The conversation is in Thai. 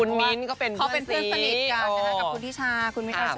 คุณมิ้นก็เป็นเพื่อนสนิทกับคุณธิชาคุณมิ้นอรัชพร